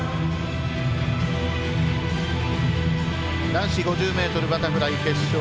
男子５０ｍバタフライ決勝